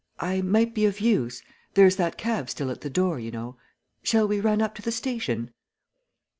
"I might be of use. There's that cab still at the door, you know shall we run up to the station?"